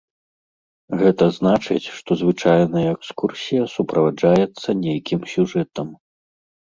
Гэта значыць, што звычайная экскурсія суправаджаецца нейкім сюжэтам.